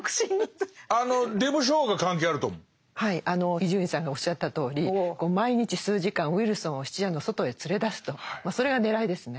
伊集院さんがおっしゃったとおり毎日数時間ウィルソンを質屋の外へ連れ出すとそれが狙いですね。